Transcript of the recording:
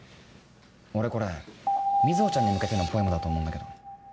俺これ瑞穂ちゃんに向けてのポエムだと思うんだけど。